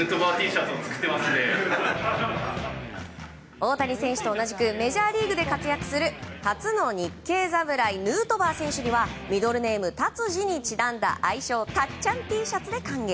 大谷選手と同じくメジャーリーグで活躍する初の日系侍、ヌートバー選手にはミドルネーム、達治にちなんだ愛称たっちゃんＴシャツで歓迎。